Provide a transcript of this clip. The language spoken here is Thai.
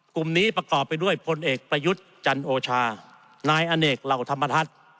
กลุ่มนี้ประกอบไปด้วยพลเอกประยุทธ์จันโอชานายอเนกเหล่าธรรมทัศน์